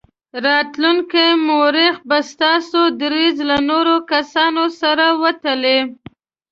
راتلونکی مورخ به ستاسې دریځ له نورو کسانو سره وتلي.